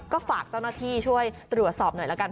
ก็ฝากเจ้าหน้าที่ช่วยตรวจสอบหน่อยละกัน